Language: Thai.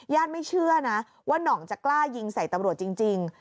ไม่เชื่อนะว่าน่องจะกล้ายิงใส่ตำรวจจริง